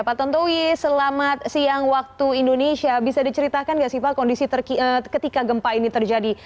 pak tontowi selamat siang waktu indonesia bisa diceritakan nggak sih pak kondisi ketika gempa ini terjadi